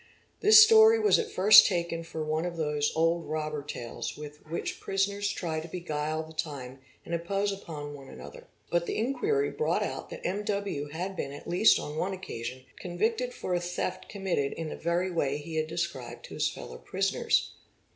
'This story was at first taken for one of those old robber tales with which prisoners try to beguile the time and impose upon one ~ another. But the inquiry brought out that M.W. had been at least on one occasion convicted for a theft committed in the very way he had described to his fellow prisoners.